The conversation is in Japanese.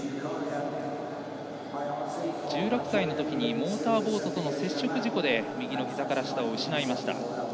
１６歳のときにモーターボートとの接触事故で右のひざから下を失いました。